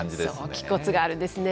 気骨があるんですね。